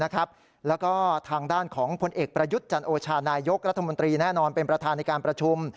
แล้วก็ทางด้านของผลเอกประยุทธ์จันโอชานายกรัฐมนตรีแน่นอนเป็นประธานในการประชุม